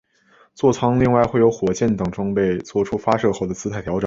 坐舱另外会有火箭等装备作出发射后的姿态调整。